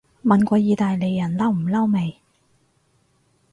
問過意大利人嬲唔嬲未